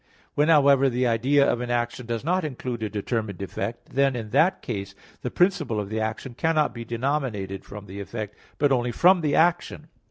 When, however, the idea of an action does not include a determined effect, then in that case, the principle of the action cannot be denominated from the effect, but only from the action.